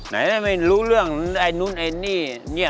ไหนไม่รู้เรื่องไอ้นู้นไอ้นี่